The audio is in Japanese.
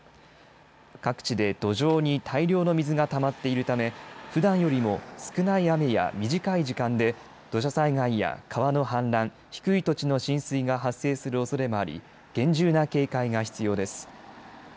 各地で土壌に大量の水がたまっているためふだんよりも少ない雨や短い時間で土砂災害や川の氾濫、低い土地の浸水が発生するおそれもあり厳重な警戒が必要です。